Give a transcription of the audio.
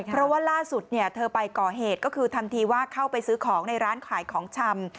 เพราะว่าล่าสุดเธอไปก่อเหตุก็คือทำทีว่าเข้าไปซื้อของในร้านขายของชำ